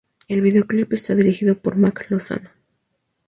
El videoclip está dirigido por Marc Lozano.